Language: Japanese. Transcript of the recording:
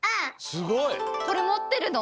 すごい！これもってるの？